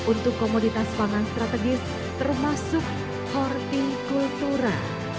untuk komoditas pangan strategis termasuk horti kultura